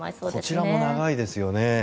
こちらも長いですよね。